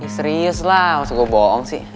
serius lah maksudnya gue bohong sih